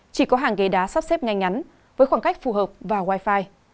chỉ có hàng ghế đá sắp xếp ngay ngắn với khoảng cách phù hợp và wifi